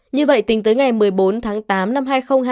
như vậy tính tới ngày một mươi bốn tháng tám năm hai nghìn hai mươi ba